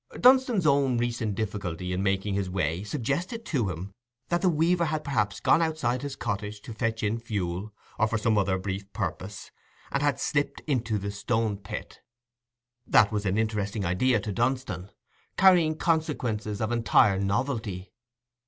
Dunstan's own recent difficulty in making his way suggested to him that the weaver had perhaps gone outside his cottage to fetch in fuel, or for some such brief purpose, and had slipped into the Stone pit. That was an interesting idea to Dunstan, carrying consequences of entire novelty.